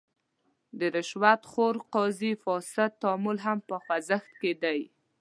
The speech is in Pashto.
د رشوت خور قاضي فاسد تعامل هم په خوځښت کې دی.